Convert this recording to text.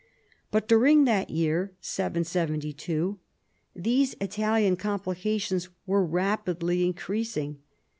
But during that year (772) these Italian complica tions were rapidly increasing.